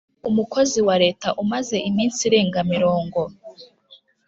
Umukozi wa leta umaze iminsi irenga mirongo